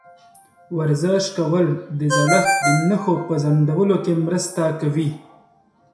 ورزش کول د زړښت د نښو په ځنډولو کې مرسته کوي.